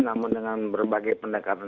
namun dengan berbagai pendekatan